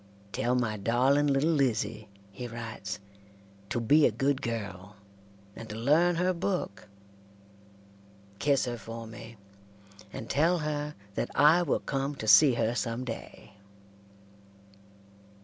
"Tell my darling little Lizzie," he writes, "to be a good girl, and to learn her book. Kiss her for me, and tell her that I will come to see her some day."